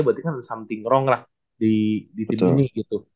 berarti kan something wrong lah di tim ini gitu